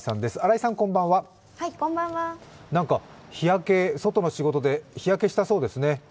日焼け、外の仕事で日焼けしたそうですね。